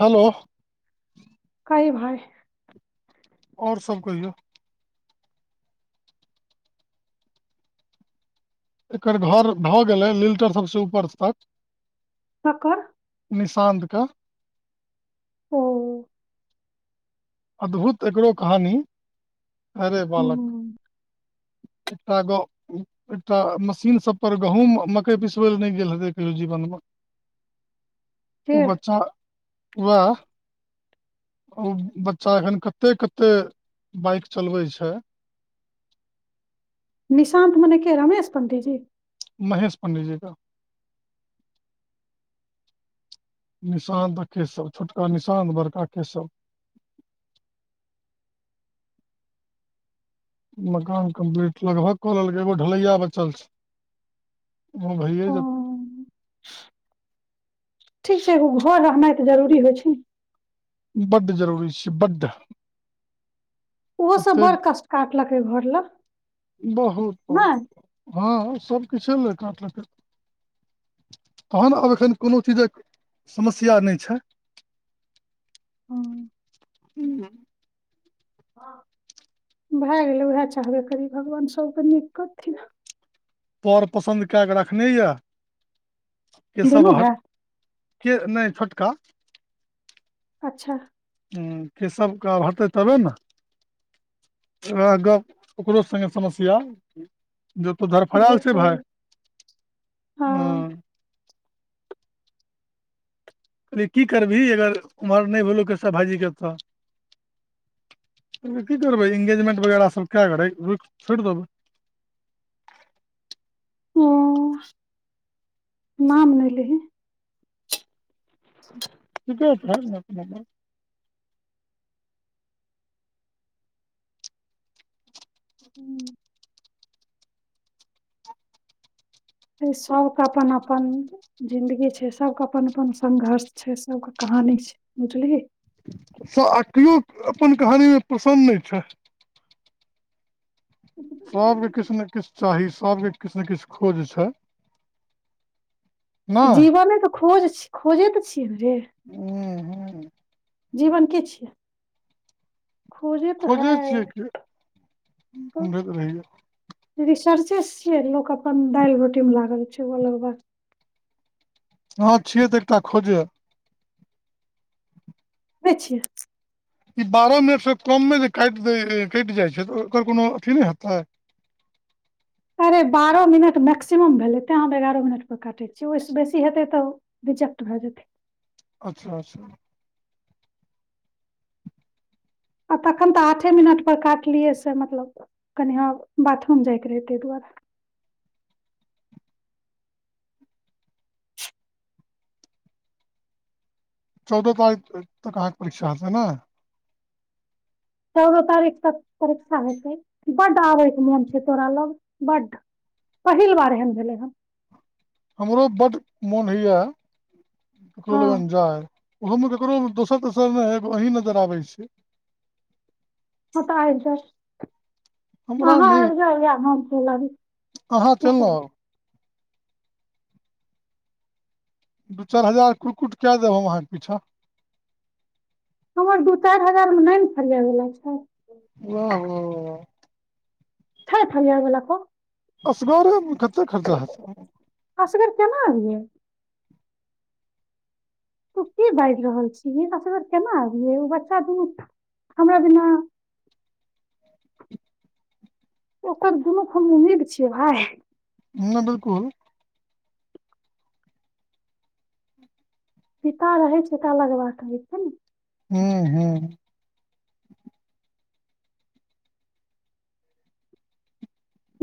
hello कही भाय आओर सभ कहियौ एकर घर भऽ गेलै लीलटर सभसँ ऊपर तक ककर निशांद कऽ ओ अद्भुत एकरो कहानी अरे बालक हूँ [inaudible] एकटा ग एकटा मशीन सबपर गहूँम मक्कइ पिसबै लए नय गेल हेतै कहियो जीवनमे [inaudible] ओ के बच्चा ओएह ओ ब बच्चा एहन कत्ते कत्ते बाइक चलबै छै निशांत मने के रमेस पंडीजी महेश पण्डितजी कऽ निशांत आ केशव छोटका निशांत बड़का केशव [unintelligible] मकान कम्प्लीट लगभग कऽ लेलकै एगो ढलैया बचल छै घर भैए ओ जेतय [inaudible] ठीक छै एगो घर रहनाइ तऽ जरूरी होइ छै न जेतै बड्ड जरूरी छै बड्ड ओहो सब एते बड़ कष्ट काटलकै घर लऽ बहुत बहुत हँ सबकिछे लै काटलकै तहन आब एखन कोनो चीजक समस्या नहि छै हँ हूँ हँ भए गेलै उएह चाहबे करी भगवान सबके नीक करथिन प्यार पसन्द कए कऽ रखने ये के सब दुनू हट भाय के नय छोटका अच्छा हूँ के सबके आब हटतै तबे न ओएह गप्प ओकरो संगे समस्या जे तो धरफड़यल भोग छै पर भाय हँ अरे की करबिही अगर ऊमर नय भेलौ सब भाजीके तऽ की करबै इंगेजमेंट वगैरह सभ कए कऽ रहै रुकि छोड़ि देबै ओ नाम नय लही [unintelligible] ठीके छै एक नबंर हू सब क अपन अपन जिंन्दगी छै सब क अपन अपन संघर्ष छै सब क कहाँ हां निक छै बुझलिए स आ केओ अपन कहानी मे पसन्द नय छै सब के किछु ने किछु चाही सब के किछु ने किछु खोज छै ऽ नहि जीवने तऽ खोज छी खोजे तऽ छियै ने रे उंहूं जीवन के छियै खोजे त खोजै हैय छियै कि ढूंढैत रहियै रिसर्चे छियै लोक ह छियै त एकटा खोजे बेैछिय ई बारह मिनट सँ कम मे जे कायट दै ए कटि जाइ छै तऽ ओकर कोनो अथी नय हेतै [unintelligible] अरे बारह मिनट मैक्सिमम भेलै तैं हम एगारह मिनट पर काटै छियै ओहिस बेसी हेतै तऽ रिजेक्ट भए जेत अच्छा अच्छा आ तखन तऽ आठे मिनट पर काटलियै से मतलब कनिआ बाथरूम जायके रहै ताहि दुआरे [unintelligible] चौदह तारीख तक अहाँके परीक्षा हेतै ने चौदह तारीख तक परीक्षा होते बड्ड आबै केै मौन छै तोरा लग बड्ड पहिल बार एहन भेलै हन हमरो बड मोन होइया ककरो हँ लगन जाय ओहोमे ककरो दोसर तेसर नहि एगो अहीं नजर आबै छै ओ तऽ आ सर हमरा अहाँ नहि आइब जौउ या हम चलि अहाँ चलि ने आबि आउ दू चारि हजार कुक्कुट कए देब हम अहाँके पीछाँ हमर दू चारि हजारमे नहि ने फरियाइवला छै वाह वाह वा कप असगरे कते खर्चा हेतै असगर केना आबेय ऐ तू की बाजि रहल छी ईर केना आबिय ओ बच्चा दू हमरा बिना ओकर दुनूके हम उम्मीद छियै भाय ह बिल्कुल पिता रहै छै त अलग बात होय छै ने हू हू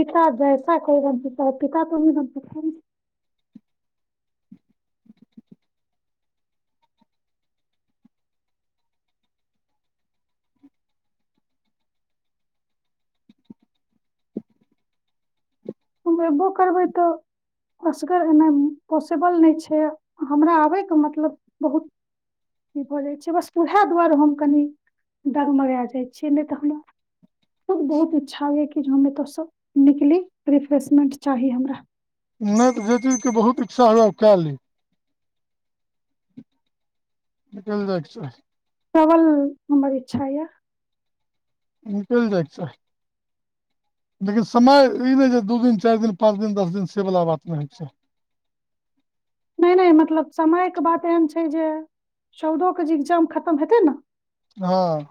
पिता जैसा कोई रहल पिता तऽ नहि बनि सकी हम अयबो करबै तऽ असगर एना पॉसिबल नहि छै हमरा आबयके मतलब बहुत ई भऽ जाइ छै बस उह दुआरे हम कनि डगमगाए जाइ छियै नहि तऽ हमरा खुब बहुत इच्छा होए कि हम ओतसँ निकली रिफ्रेशमेंट चाही हमरा नहि त जय्ह चीज के बहुत इच्छा हुए आओ कएली निकल जाय छिय ट्रैवल निकलि जाइ छ लेकिन समय ई नहि जे दू दिन चारि दिन पाँच दिन दस दिन सेवला बात नहि होइ छै [inaudible] नहि नहि मतलब समयके बात एहन छै जे चौदोके जे इग्जाम खतम हेतै ने हँ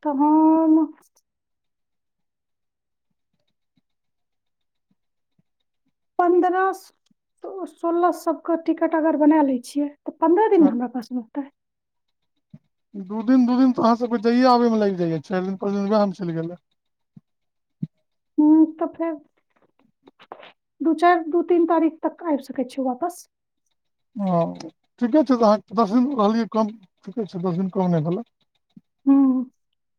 तऽ हम पन्द्रह सोलह सभके टिकट अगर बना लै छियै तऽ पन्द्रह दिनमे हमरा पासमेतै दू दिन दू दिन तऽ अहाँसभकेँ जाइए आबयमे लागि जाइए चारि दिन पाँच दिन उएहमे चलि गेलै हू तऽ फेर दू चारि दू तीन तारीख तक आबि सकैय छियै वापस हँ ठीके छै तऽ अहाँ दस दिन रहलियै कम ठीके छै दस दिन कम नहि भेलै ह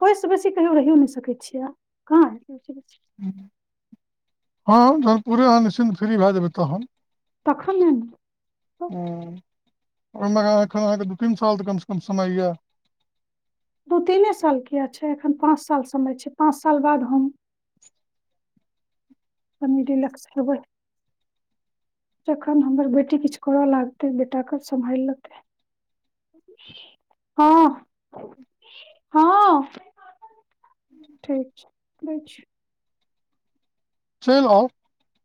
ओहिसँ बेसी कहियो रहि नहि सकै छियै क [inaudible] हँ जहन पूरे अहाँ निश्चिन् फ्री भए जेबय तहन तखन ले ओहिमे एखन अहाँके दू तीन साल तऽ कमसँ कम समय यए दू तीने साल किएक छै एखन पाँच साल समय छै पाँच साल बाद हम कनी रिलेक्स हैबय जखन हमर बेटी किछु करय लागतै बेटा क सम्हालि लेतय हँ हँ ठीक छै दै छी [inaudible]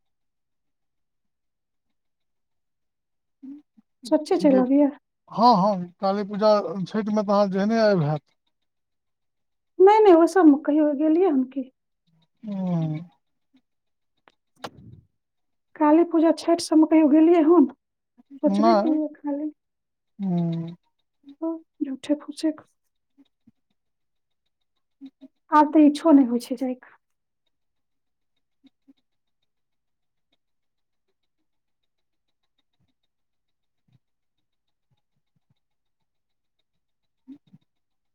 सच्चे चलि जब अबियै हँ हँ काली पूजा छठिमे त अहाँ जेहने आबि हैत नहि नहि ओसमे कहियो गेलियै हम की ओं काली पूजा छठि सम कहियो गेलियै हन सोचबे केलियै खाली अ ओ झूठे फूसे आब त इच्छो नहि होइ छै जाइक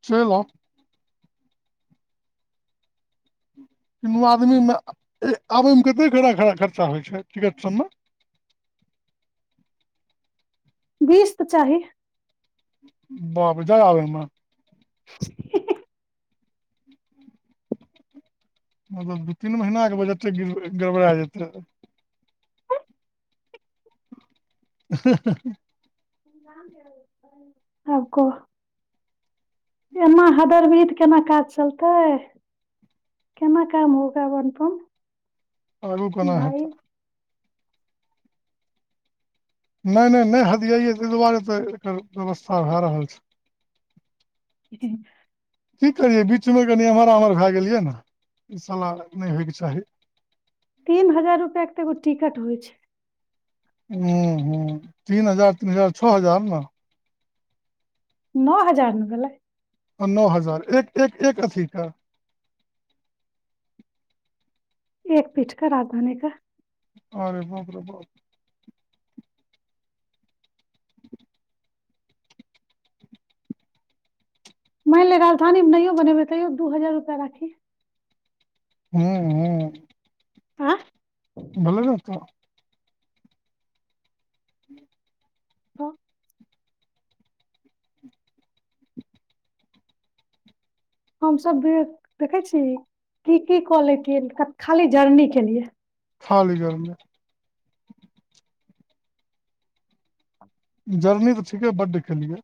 चलि आउ [inaudible] नू आदमीमे ए आबयमे कतेक खड़ खरा खर्चा होइ छै टिकट सबमे [unintelligible] बीस त चाही बाप रे जाय आबय म [unintelligible] मतलब दू तीन महीनाके बजटे गिड़ गड़बड़ा जेतै [unintelligible] आब कह एना हदरभी त केना काज चलतै केना काम होगा आब अनुपम आरू कोना हेत नहि नहि नहि हदियैए ताहि दुआरे त एकर व्यवस्था भए रहल छै [unintelligible] की करियै बीचमे कनि एम्हर आम्हर भए गेलियै ने ई साला नहि होयके चाही तीन हजार रुपआ के एगो टिकट होइ छै ह्म ह्म तीन हजार तीन हजार छ हजार न नौ हजार न भेलय हँ नौ हजार एक एक एक अथी का एक पीठ का राजधानी का आरे बाप रे बाप मनि ले राजधानीमे नहियो बनेबै तैयो दू हजार रुपया राखी हँ हँ आँ भेलै नै त [unintelligible] ओ हमसब देख छीही की की कलै तियैन खाली जर्नी केलिए खाली जरने जर्नी त ठीके बड्ड केलियै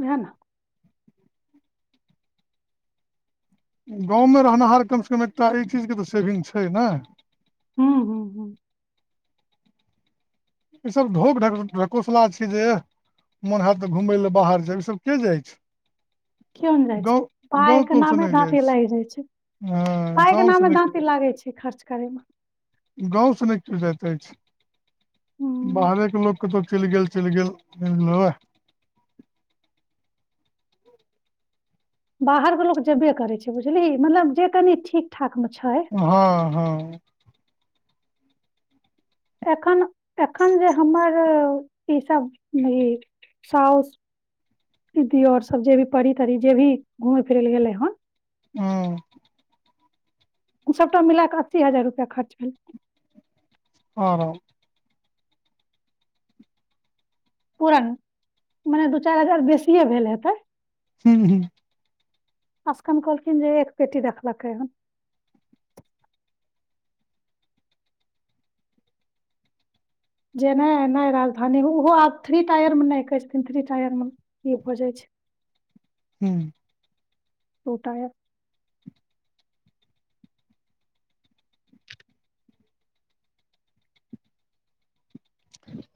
उएह ने गाँवमे रहनाहर कमसे कम एकटा एहि चीजके त सेभिंग छै न ह्म ह्म ह्म [unintelligible] ईसब ढोप ढकोसला छै जे मोन हैत त घूमय लए बाहर जाय इसब के जाइ छै कियो ने जाइ गौ छै पाय के गौतो स नामे नहि जाइ दाँती छै लागि [unintelligible] हँ पाय के गाँव स नामे नहि दाँती लागै छै खर्च करे मे गाँव स नहि केओ जा तज [unintelligible] हूं बाहरेके लोक कतहु चलि गेल चलि गेल लहुए बाहरक लोक जेबे करतय छै बुझलीही मतलब जे कनि ठीक ठाक मे छै हँ हँ एखन एखन जे हमर ईसभ ई साउस दीदी और सब जे भी परी तरी जे भी घुमय फिरै लए गेले हन ह [unintelligible] सभटा मिला कऽ अस्सी हजार रुपैया खर्च भेल आ रहा हूं पुरन मने दू चारि हजार बेसिए भेल हेतै हू ह [unintelligible] असकन कहलखिन जे एक पेटी रखलकै हन जे नहि नहि राजधानीमे ओहो आब थ्री टायरमे नहि कहै छथिन थ्री टायरमे ई भऽ जाइ छै [inaudible] हू [unintelligible] ोटा य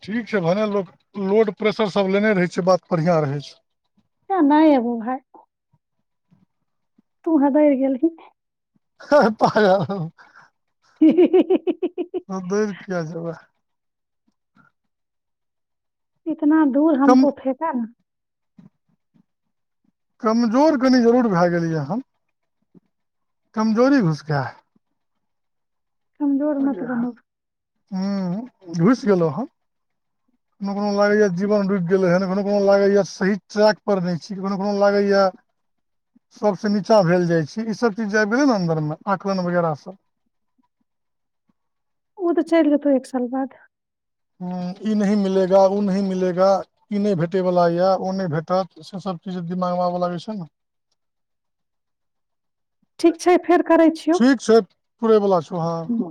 ठीक छै भने लोक लोड प्रेशरसभ लेने रहै छै बात बढ़िआँ रहै छै ए नै एबौ भाई [unintelligible] तू हँदैर गेलहीं हेहे पागल [unintelligible] हि हि हि हि हि हि [unintelligible] दैर किया जेबै इतना दूर कम हमको फेेका न कमजोर कनि जरूर भए गेलियै हन कमजोरी घुस गया है कमजोर मत बनो ह घुसि गेलहु हँ कोनो कोनो लागैया जीवन रुकि गेलै हे कखनो कोनो लागैया सही ट्रैक पर नहि छी कखनो कोनो लागैए या सभसँ नीचाँ भेल जाइ छै ईसभ चीज जे आबि गेलै न अन्दरमे आकलन वगैरह सभ [inaudible] ओ तऽ चलि जेतौ एक साल बाद ई नही मिलेगा उ नही मिलेगा ई नहि भेटे वाला या ओ नहि भेटत से सब चीज मंगबाब लागै छै न ठीक छै फेर करै छियौ पूरे बला छौ हँ हूँ